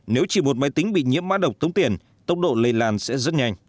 nếu chỉ một máy tính bị nhiễm mã độc tống tiền tốc độ lây lan sẽ rất nhanh